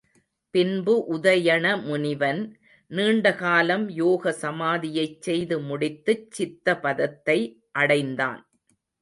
பின்பு உதயண முனிவன், நீண்டகாலம் யோக சமாதியைச் செய்து முடித்துச் சித்தபதத்தை அடைந்தான்.